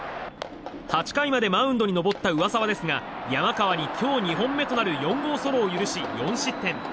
８回までマウンドに登った上沢ですが山川に今日２本目となる４号ソロを許し４失点。